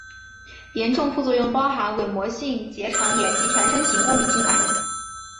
严重副作用包含伪膜性结肠炎及全身型过敏性反应。